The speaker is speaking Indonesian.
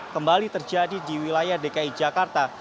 kembali terjadi di wilayah dki jakarta